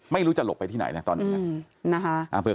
ไม่รู้จะหลบไปที่ไหนเลย